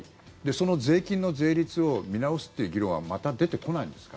その税金の税率を見直すっていう議論はまた出てこないんですか？